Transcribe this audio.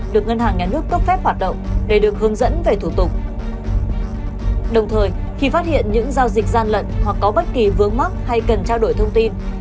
đồng thời khi phát hiện những giao dịch gian lận hoặc có bất kỳ vướng mắc hay cần trao đổi thông tin